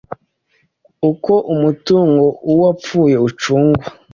uko umutungo w’uwapfuye ucungwa